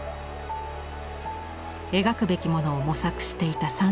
描くべきものを模索していた３０代。